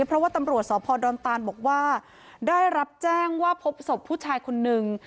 เพราะว่าตำรวจสพดอนตานบอกว่าได้รับแจ้งว่าพบศพผู้ชายคนนึง